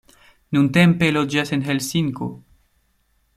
Nuntempe loĝas en Helsinko.